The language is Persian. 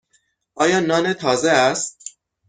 آیا نان تازه است؟